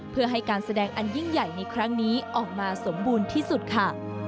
เพื่อให้การแสดงอันยิ่งใหญ่ในครั้งนี้ออกมาสมบูรณ์ที่สุดค่ะ